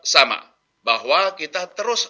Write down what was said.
sama bahwa kita terus